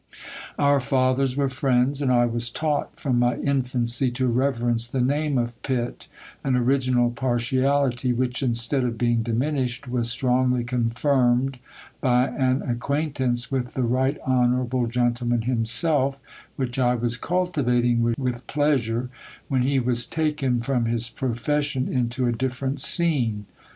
Our fathers were fi'iends ; and I was taught, from my infancy, to reverence the name of Pitt ; an original partiality, which, instead of being diminished, w^as strongly confirmed by an acquaintance with the RighV Honorable Gentleman himself, which I was cultivating with pleasure, when he was taken from his profession, into a different scene.